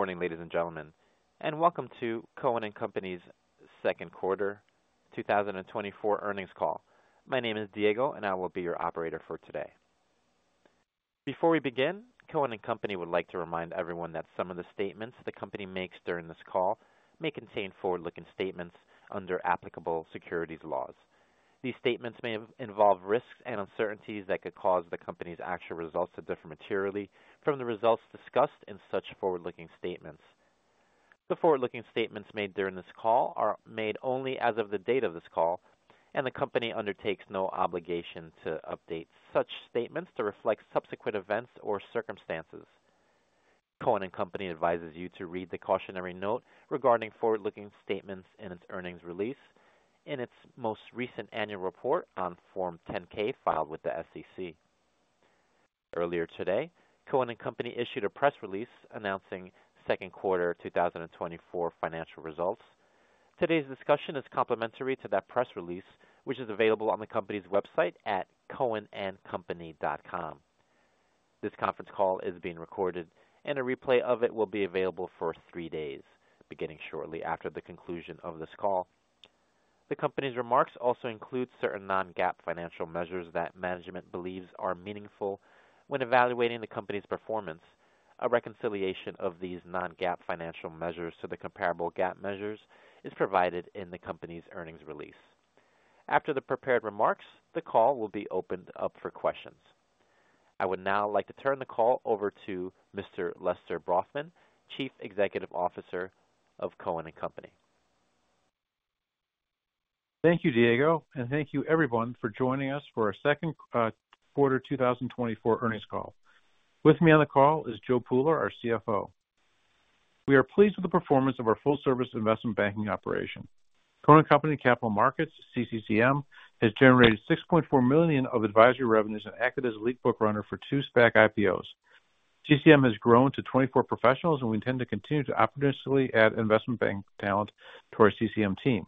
Good morning, ladies and gentlemen, and welcome to Cohen & Company's second quarter 2024 earnings call. My name is Diego, and I will be your operator for today. Before we begin, Cohen & Company would like to remind everyone that some of the statements the company makes during this call may contain forward-looking statements under applicable securities laws. These statements may involve risks and uncertainties that could cause the company's actual results to differ materially from the results discussed in such forward-looking statements. The forward-looking statements made during this call are made only as of the date of this call, and the company undertakes no obligation to update such statements to reflect subsequent events or circumstances. Cohen & Company advises you to read the cautionary note regarding forward-looking statements in its earnings release in its most recent annual report on Form 10-K, filed with the SEC. Earlier today, Cohen & Company issued a press release announcing second quarter 2024 financial results. Today's discussion is complementary to that press release, which is available on the company's website at cohenandcompany.com. This conference call is being recorded, and a replay of it will be available for three days, beginning shortly after the conclusion of this call. The company's remarks also include certain non-GAAP financial measures that management believes are meaningful when evaluating the company's performance. A reconciliation of these non-GAAP financial measures to the comparable GAAP measures is provided in the company's earnings release. After the prepared remarks, the call will be opened up for questions. I would now like to turn the call over to Mr. Lester Brafman, Chief Executive Officer of Cohen & Company. Thank you, Diego, and thank you everyone for joining us for our second quarter 2024 earnings call. With me on the call is Joe Pooler, our CFO. We are pleased with the performance of our full-service investment banking operation. Cohen & Company Capital Markets, CCM, has generated $6.4 million of advisory revenues and acted as a lead book runner for two SPAC IPOs. CCM has grown to 24 professionals, and we intend to continue to opportunistically add investment bank talent to our CCM team.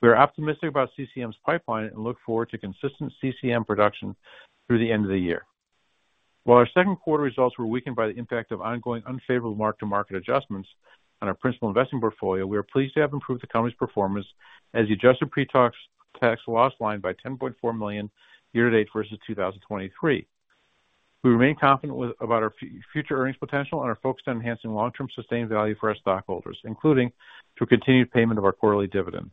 We are optimistic about CCM's pipeline and look forward to consistent CCM production through the end of the year. While our second quarter results were weakened by the impact of ongoing unfavorable mark-to-market adjustments on our principal investment portfolio, we are pleased to have improved the company's performance on the adjusted pre-tax loss line by $10.4 million year-to-date versus 2023. We remain confident about our future earnings potential and are focused on enhancing long-term sustained value for our stockholders, including through continued payment of our quarterly dividend.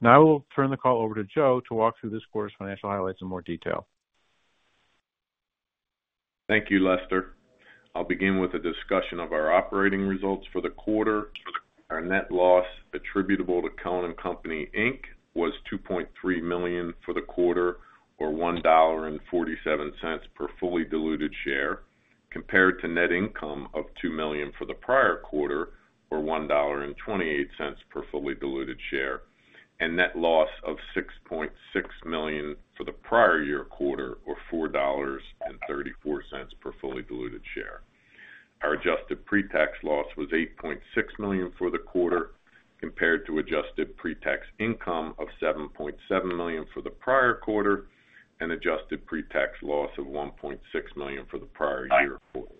Now, I will turn the call over to Joe to walk through this quarter's financial highlights in more detail. Thank you, Lester. I'll begin with a discussion of our operating results for the quarter. Our net loss attributable to Cohen & Company Inc. was $2.3 million for the quarter, or $1.47 per fully diluted share, compared to net income of $2 million for the prior quarter, or $1.28 per fully diluted share, and net loss of $6.6 million for the prior year quarter, or $4.34 per fully diluted share. Our adjusted pre-tax loss was $8.6 million for the quarter, compared to adjusted pre-tax income of $7.7 million for the prior quarter, and adjusted pre-tax loss of $1.6 million for the prior year quarter.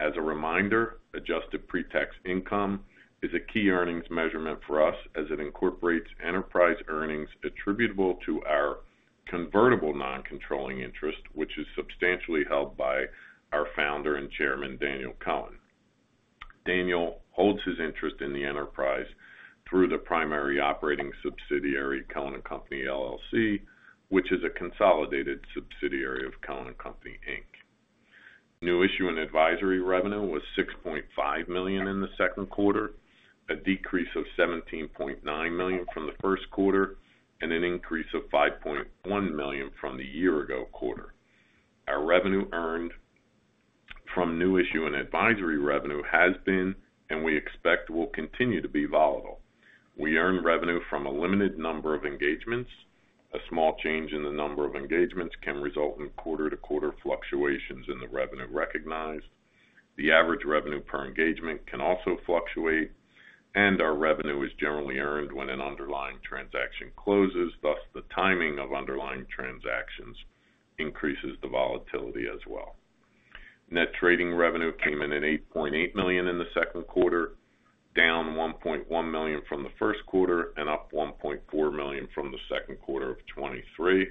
As a reminder, adjusted pre-tax income is a key earnings measurement for us as it incorporates enterprise earnings attributable to our convertible non-controlling interest, which is substantially held by our founder and chairman, Daniel Cohen. Daniel holds his interest in the enterprise through the primary operating subsidiary, Cohen & Company, LLC, which is a consolidated subsidiary of Cohen & Company Inc. New issue and advisory revenue was $6.5 million in the second quarter, a decrease of $17.9 million from the first quarter, and an increase of $5.1 million from the year-ago quarter. Our revenue earned from new issue and advisory revenue has been, and we expect will continue to be, volatile. We earn revenue from a limited number of engagements. A small change in the number of engagements can result in quarter-to-quarter fluctuations in the revenue recognized. The average revenue per engagement can also fluctuate, and our revenue is generally earned when an underlying transaction closes, thus, the timing of underlying transactions increases the volatility as well. Net trading revenue came in at $8.8 million in the second quarter, down $1.1 million from the first quarter and up $1.4 million from the second quarter of 2023.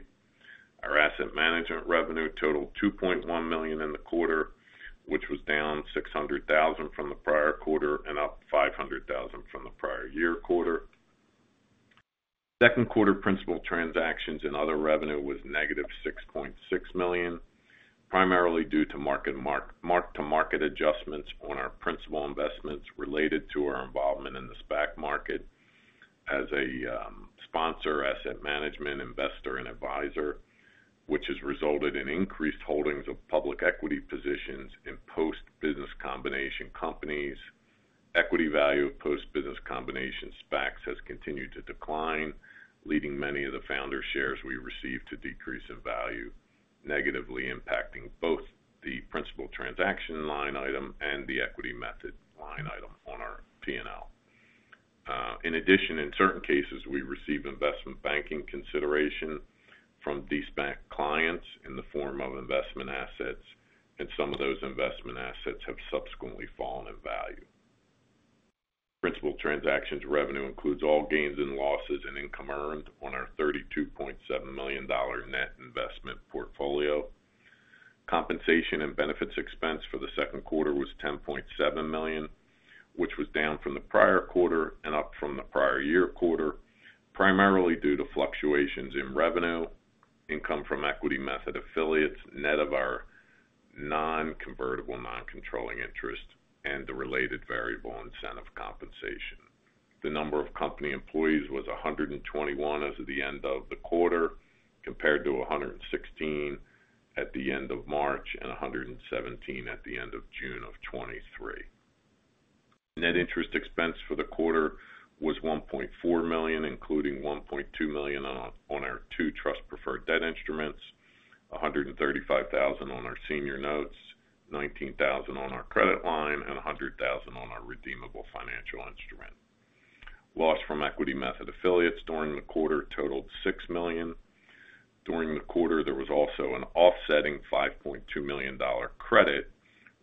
Our asset management revenue totaled $2.1 million in the quarter, which was down $600,000 from the prior quarter and up $500,000 from the prior year quarter. Second quarter principal transactions and other revenue was negative $6.6 million, primarily due to mark-to-market adjustments on our principal investments related to our involvement in the SPAC market as a sponsor, asset management, investor, and advisor, which has resulted in increased holdings of public equity positions in post-business combination companies. Equity value of post-business combination SPACs has continued to decline, leading many of the founder shares we received to decrease in value, negatively impacting both the principal transaction line item and the equity method line item on our P&L. In addition, in certain cases, we receive investment banking consideration from de-SPAC clients in the form of investment assets, and some of those investment assets have subsequently fallen in value. Principal transactions revenue includes all gains and losses and income earned on our $32.7 million net investment portfolio. Compensation and benefits expense for the second quarter was $10.7 million, which was down from the prior quarter and up from the prior year quarter, primarily due to fluctuations in revenue, income from equity method affiliates, net of our non-convertible, non-controlling interest and the related variable incentive compensation. The number of company employees was 121 as of the end of the quarter, compared to 116 at the end of March and 117 at the end of June 2023. Net interest expense for the quarter was $1.4 million, including $1.2 million on our two trust preferred debt instruments, $135,000 on our senior notes, $19,000 on our credit line, and $100,000 on our redeemable financial instrument. Loss from equity method affiliates during the quarter totaled $6 million. During the quarter, there was also an offsetting $5.2 million credit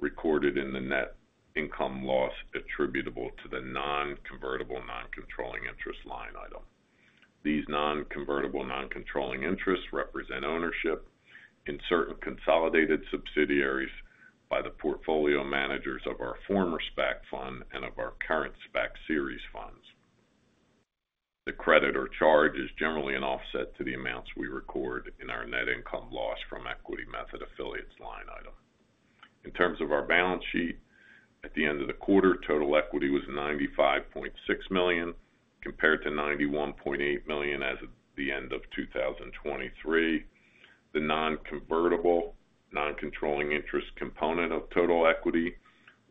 recorded in the net income loss attributable to the non-convertible, non-controlling interest line item. These non-convertible, non-controlling interests represent ownership in certain consolidated subsidiaries by the portfolio managers of our former SPAC fund and of our current SPAC series funds. The credit or charge is generally an offset to the amounts we record in our net income loss from equity method affiliates line item. In terms of our balance sheet, at the end of the quarter, total equity was $95.6 million, compared to $91.8 million as of the end of 2023. The non-convertible, non-controlling interest component of total equity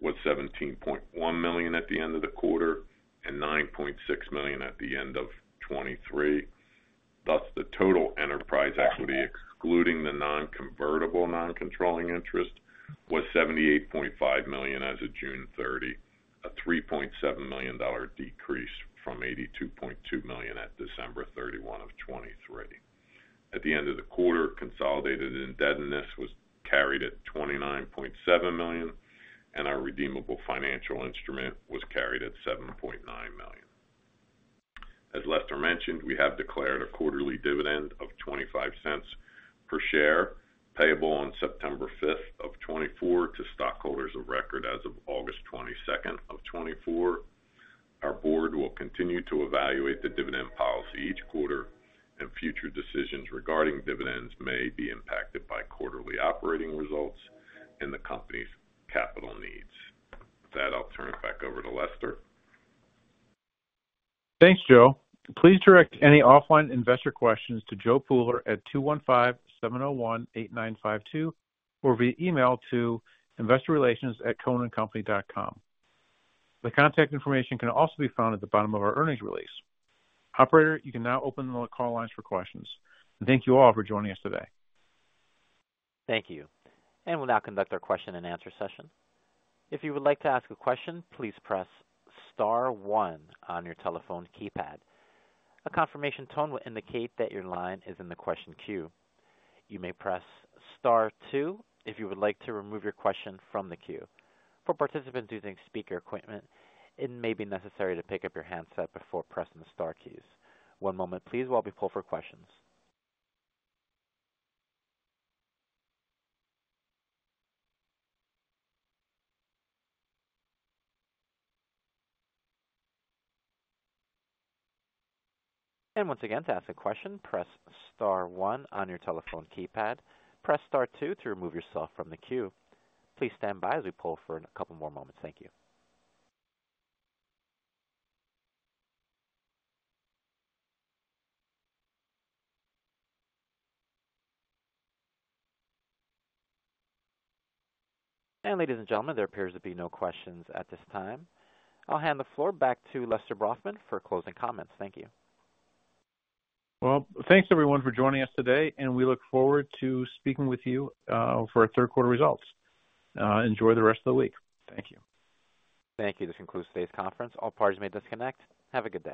was $17.1 million at the end of the quarter and $9.6 million at the end of 2023. Thus, the total enterprise equity, excluding the non-convertible, non-controlling interest, was $78.5 million as of June 30, a $3.7 million decrease from $82.2 million at December 31, 2023. At the end of the quarter, consolidated indebtedness was carried at $29.7 million, and our redeemable financial instrument was carried at $7.9 million. As Lester mentioned, we have declared a quarterly dividend of $0.25 per share, payable on September 5, 2024 to stockholders of record as of August 22, 2024. Our board will continue to evaluate the dividend policy each quarter, and future decisions regarding dividends may be impacted by quarterly operating results and the company's capital needs. With that, I'll turn it back over to Lester. Thanks, Joe. Please direct any offline investor questions to Joe Pooler at 215-701-8952 or via email to investorrelations@cohenandcompany.com. The contact information can also be found at the bottom of our earnings release. Operator, you can now open the call lines for questions. Thank you all for joining us today. Thank you. We'll now conduct our question-and-answer session. If you would like to ask a question, please press star one on your telephone keypad. A confirmation tone will indicate that your line is in the question queue. You may press star two if you would like to remove your question from the queue. For participants using speaker equipment, it may be necessary to pick up your handset before pressing the star keys. One moment please, while we poll for questions. Once again, to ask a question, press star one on your telephone keypad. Press star two to remove yourself from the queue. Please stand by as we poll for a couple more moments. Thank you. Ladies and gentlemen, there appears to be no questions at this time. I'll hand the floor back to Lester Brafman for closing comments. Thank you. Well, thanks, everyone, for joining us today, and we look forward to speaking with you for our third quarter results. Enjoy the rest of the week. Thank you. Thank you. This concludes today's conference. All parties may disconnect. Have a good day.